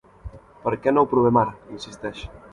Per què no ho provem ara? —insisteix.